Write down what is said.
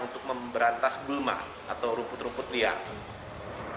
untuk memberantas bulma atau rumput rumput liang